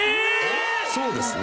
そうですね。